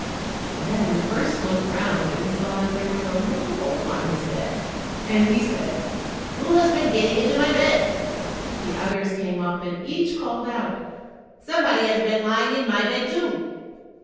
Then the first looked round and saw that there was a little hole on his bed, and he said, "Who has been getting into my bed?" The others came up and each called out, "Somebody has been lying in my bed too."